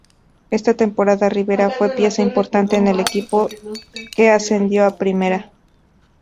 Esa temporada Rivera fue pieza importante en el equipo que ascendió a Primera.